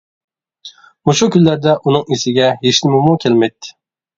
مۇشۇ كۈنلەردە ئۇنىڭ ئېسىگە ھېچنېمىمۇ كەلمەيتتى.